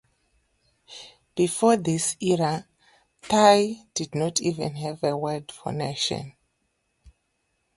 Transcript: Before this era, Thai did not even have a word for 'nation'.